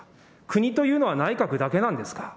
国というのは内閣だけなんですか。